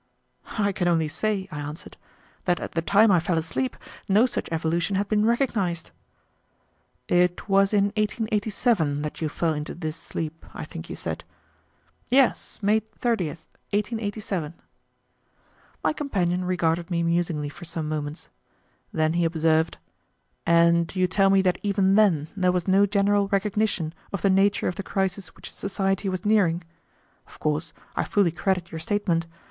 "I can only say," I answered, "that at the time I fell asleep no such evolution had been recognized." "It was in 1887 that you fell into this sleep, I think you said." "Yes, May 30th, 1887." My companion regarded me musingly for some moments. Then he observed, "And you tell me that even then there was no general recognition of the nature of the crisis which society was nearing? Of course, I fully credit your statement.